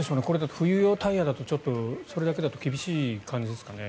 冬用タイヤだと、それだけだと厳しい感じですかね。